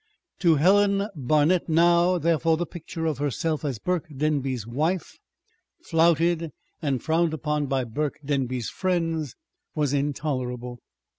To Helen Barnet now, therefore, the picture of herself as Burke Denby's wife, flouted and frowned upon by Burke Denby's friends, was intolerable.